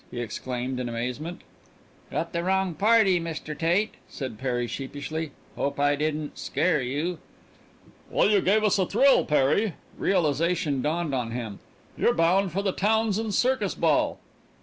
he exclaimed in amazement. "Got the wrong party, Mr. Tate," said Perry sheepishly. "Hope I didn't scare you." "Well you gave us a thrill, Perry." Realization dawned on him. "You're bound for the Townsends' circus ball."